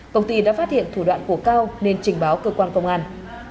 công ty đã phát hiện thủ đoạn của cao nên trình báo cơ quan công an